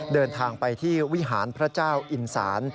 เดินทางไปที่วิหารพระเจ้าอินสาน